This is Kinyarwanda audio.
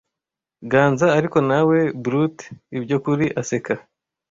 ganza ariko nawe brute ibyo kuri aseka